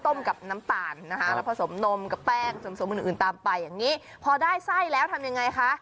กับน้ำตาลนะคะแล้วผสมนมกับแป้งสมอื่นอื่นตามไปอย่างนี้พอได้ไส้แล้วทำยังไงคะ